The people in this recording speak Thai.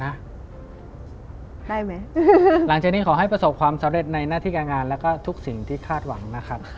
ได้ไหมหลังจากนี้ขอให้ประสบความสำเร็จในหน้าที่การงานแล้วก็ทุกสิ่งที่คาดหวังนะครับ